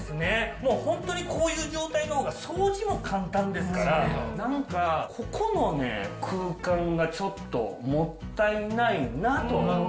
もう本当にこういう状態のほうが掃除も簡単ですから、なんか、ここのね、空間がちょっともったいないなと。